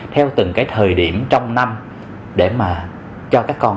theo từng cái thời điểm trong năm để mà cho các con